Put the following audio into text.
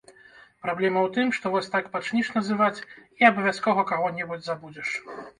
Праблема ў тым, што вось так пачнеш называць, і абавязкова каго-небудзь забудзеш!